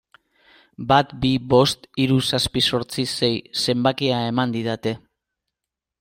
Bat bi bost hiru zazpi zortzi sei zenbakia eman didate.